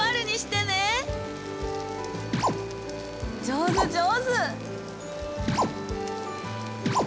上手上手！